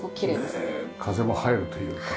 ねえ風も入るというか。